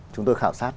chúng tôi khảo sát